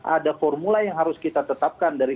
ada formula yang harus kita tetapkan dari